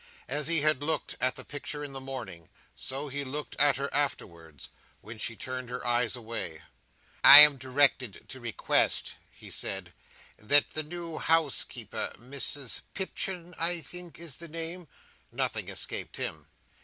As he had looked at the picture in the morning, so he looked at her afterwards, when she turned her eyes away. "I am directed to request," he said, "that the new housekeeper—Mrs Pipchin, I think, is the name—" Nothing escaped him.